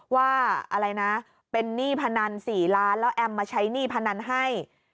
ว่าอะไรนะเป็นหนี้พนัน๔ล้านแล้วแอมมาใช้หนี้พนันให้